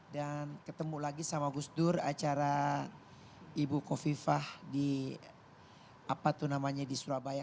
dan ketemu lagi sama gus dur acara ibu kofifah di apa tuh namanya di surabaya